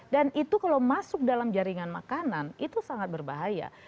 dan itu kalau masuk dalam jaringan makanan itu sangat berbahaya